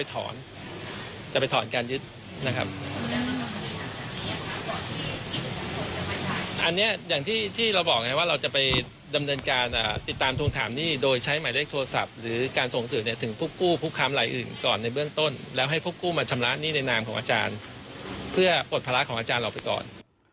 อันนี้อย่างที่ที่เราบอกไงว่าเราจะไปดำเนินการติดตามทวงถามหนี้โดยใช้หมายเลขโทรศัพท์หรือการส่งสื่อถึงผู้กู้ผู้ค้ามลายอื่นก่อนในเบื้องต้นแล้วให้ผู้กู้มาชำระหนี้ในนามของอาจารย์เพื่อปลดภาระของอาจารย์เราไปก่อน